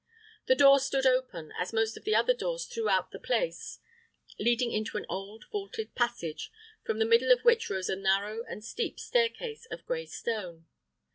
The door stood open, as most of the other doors throughout the place, leading into an old vaulted passage, from the middle of which rose a narrow and steep stair case of gray stone.